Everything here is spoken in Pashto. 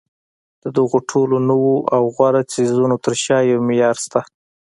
د دغو ټولو نویو او غوره څیزونو تر شا یو معیار شته